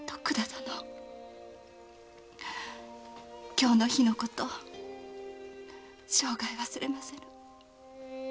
今日の日のこと生涯忘れません。